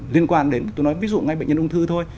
liên quan đến tôi nói ví dụ ngay bệnh nhân ung thư thôi